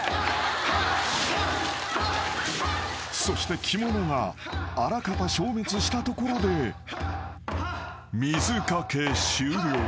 ［そして着物があらかた消滅したところで水掛け終了］